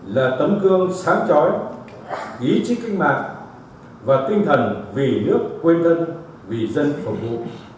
là tấm cương sáng trói ý chí kinh mạc và tinh thần vì nước quên thân vì dân phòng vụ